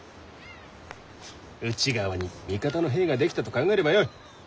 内側に味方の兵が出来たと考えればよい。